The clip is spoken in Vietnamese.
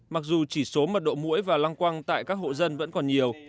mặc dù chỉ số mật độ mũi và long quang tại các hộ dân vẫn còn nhiều